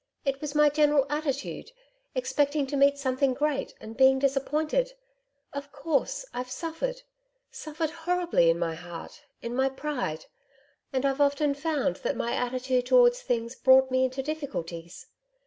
It was my general attitude expecting to meet something great and being disappointed.... Of course, I've suffered suffered horribly in my heart in my pride. And I've often found that my attitude towards things brought me into difficulties.